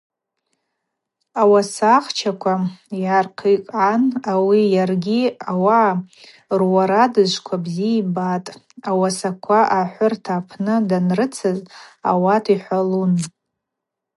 Ауасахчаква йгӏархъикӏгӏан ауи йаргьи ауагӏа руарадыжвква бзи йбатӏ, ауасаква ахӏвырта апны данрыцыз ауат йхӏвалун.